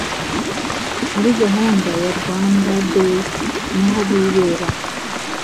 muri gahunda ya Rwanda Day niho bibera